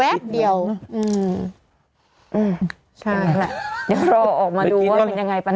แวบเดียวอืมอืมใช่แหละยังรอออกมาดูว่ามันยังไงปะนะ